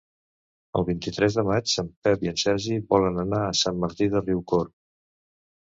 El vint-i-tres de maig en Pep i en Sergi volen anar a Sant Martí de Riucorb.